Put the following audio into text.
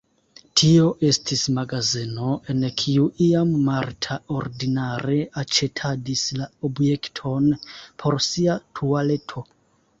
Tio estis magazeno, en kiu iam Marta ordinare aĉetadis la objektojn por sia tualeto.